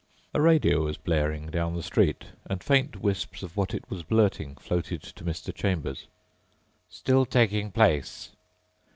A radio was blaring down the street and faint wisps of what it was blurting floated to Mr. Chambers. "... still taking place